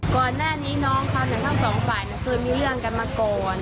ก่อนหน้านี้น้องค่ะแบบทั้งสองฝ่ายมันคือมีเรื่องกันมาก่อน